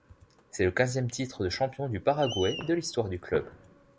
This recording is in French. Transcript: C'est le quinzième titre de champion du Paraguay de l'histoire du club.